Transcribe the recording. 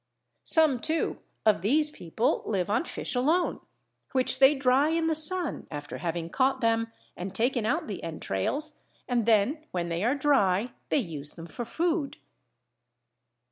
Some too of these people live on fish alone, which they dry in the sun after having caught them and taken out the entrails, and then when they are dry, they use them for food.